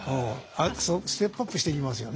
ステップアップしていきますよね。